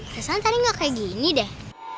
kesan tadi gak kayak gini deh